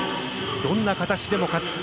どんな形でも勝つ。